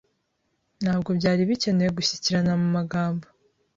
Ntabwo byari bikenewe gushyikirana mu magambo.